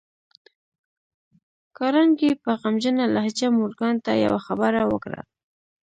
کارنګي په غمجنه لهجه مورګان ته يوه خبره وکړه.